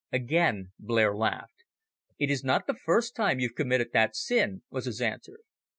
Again Blair laughed. "It is not the first time you've committed that sin," was his answer.